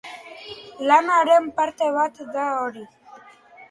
Lanaren parte bat da hori.